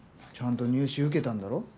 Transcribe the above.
ちゃんと入試受けたんだろ。